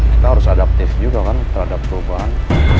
kita harus adaptif juga kan terhadap perubahan